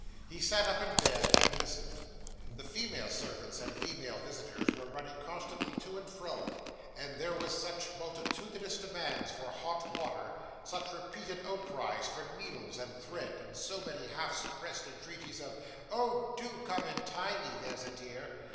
He sat up in bed and listened. The female servants and female visitors were running constantly to and fro; and there were such multitudinous demands for hot water, such repeated outcries for needles and thread, and so many half suppressed entreaties of 'Oh, do come and tie me, there's a dear!